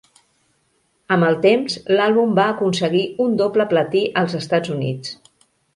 Amb el temps, l'àlbum va aconseguir un doble platí als Estats Units.